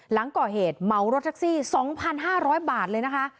หลังก่อเหตุเหมารถแท็กซี่๒๕๐๐บาทเลยนะคะ